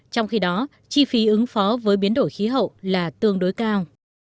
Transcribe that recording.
trong khi đó chi phí ứng phó với biến đổi khí hậu là tương đối cao